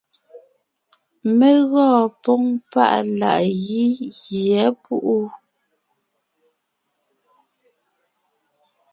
Mé gɔɔn póŋ páʼ láʼ gí gyɛ́ púʼu.